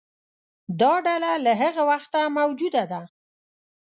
دا ډله له هغه وخته موجوده ده.